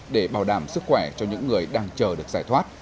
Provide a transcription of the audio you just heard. để bảo đảm sức khỏe cho những người đang chờ được giải thoát